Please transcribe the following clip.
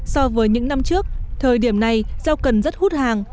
so với những năm trước thời điểm này rau cần rất hút hàng